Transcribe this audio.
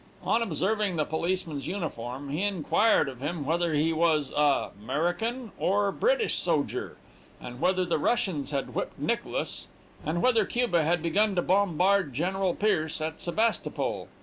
On observing the policeman's uniform, he inquired of him whether he was a 'Merican or British soger, and whether the Russians had whipped Nicholas, and whether Cuba had begun to bombard General Pierce at Sebastopol.